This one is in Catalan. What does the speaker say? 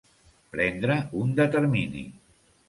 Prendre un determini.